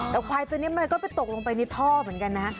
แต่ควายตัวนี้มันก็ไปตกลงไปในท่อเหมือนกันนะฮะ